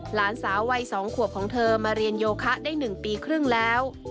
หลานสาววัย๒ขวบของเธอมาเรียนโยคะได้๑ปีครึ่งแล้ว